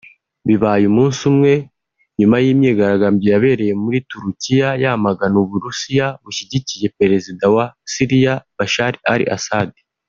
Bibaye umunsi umwe nyuma y'imyigaragambyo yabereye muri Turukiya yamagana Uburusiya bushyigikiye perezida wa Siriya Bashar al-Assad